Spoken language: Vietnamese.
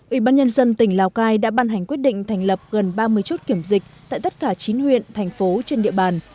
ủy ban nhân dân tỉnh lào cai đã ban hành quyết định thành lập gần ba mươi chốt kiểm dịch tại tất cả chín huyện thành phố trên địa bàn